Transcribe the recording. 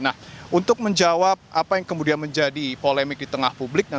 nah untuk menjawab apa yang kemudian menjadi polemik di tengah publik